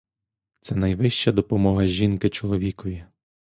Це найвища допомога жінки чоловікові!